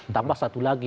tambah satu lagi